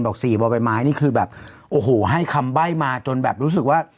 สี่บ่อใบไม้นี่คือแบบโอ้โหให้คำใบ้มาจนแบบรู้สึกว่า